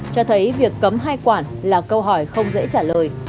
cho thấy việc cấm hai quản là câu hỏi không dễ trả lời